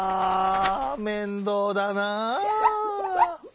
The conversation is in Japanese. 面倒だなぁ。